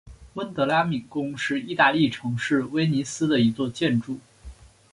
温德拉敏宫是义大利城市威尼斯的一座建筑。